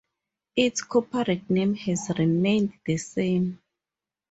Its corporate name has remained the same.